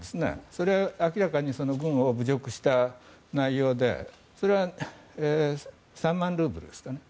それは明らかに軍を侮辱した内容でそれは３万ルーブルですかね。